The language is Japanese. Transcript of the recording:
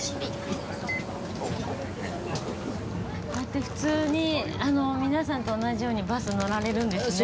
こうやって普通に皆さんと同じようにバス乗られるんですね。